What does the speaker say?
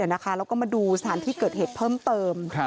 แล้วก็มาดูสถานที่เกิดเหตุเพิ่มเติม